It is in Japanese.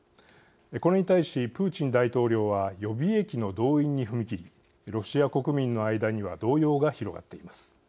これに対し、プーチン大統領は予備役の動員に踏み切りロシア国民の間には動揺が広がっています。